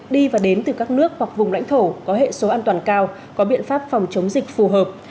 đi và đến từ các nước hoặc vùng lãnh thổ có hệ số an toàn cao có biện pháp phòng chống dịch phù hợp